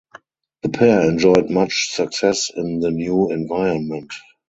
The pair enjoyed much success in the new environment.